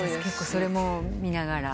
それも見ながら？